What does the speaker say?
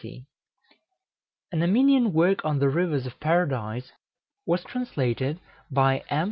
An Armenian work on the rivers of Paradise was translated by M.